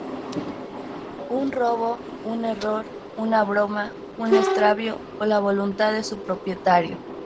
Un robo, un error, una broma, un extravió o la voluntad de su propietario.